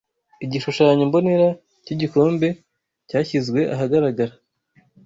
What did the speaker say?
Igishushanyo mbonera cy'igikombe cyashyizwe ahagaragara